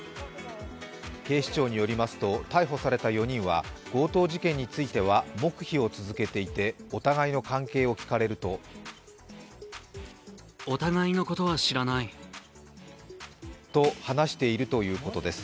警視庁によりますと、逮捕された４人は強盗事件については黙秘を続けていてお互いの関係を聞かれるとと話しているということです。